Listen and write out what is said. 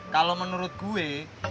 kalau menurut gue